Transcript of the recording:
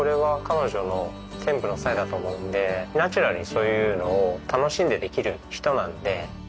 ナチュラルにそういうのを楽しんでできる人なので。